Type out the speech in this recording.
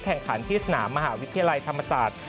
แข่งขันที่สนามมหาวิทยาลัยธรรมศาสตร์